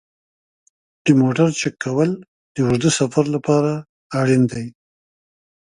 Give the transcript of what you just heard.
د موټر چک کول د اوږده سفر لپاره اړین دي.